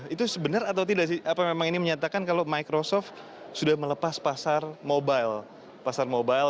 itu benar atau tidak sih apa memang ini menyatakan kalau microsoft sudah melepas pasar mobile